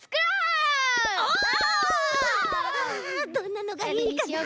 あどんなのがいいかな。